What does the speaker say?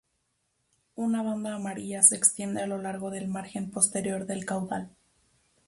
Una banda amarilla se extiende a lo largo del margen posterior del caudal.